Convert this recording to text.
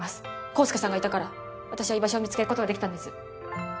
康介さんがいたから私は居場所を見つける事ができたんです。